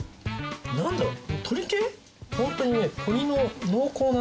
何だろう。